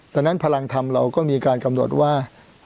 ฉะนั้นพลังธรรมเราก็มีการกำหนดว่า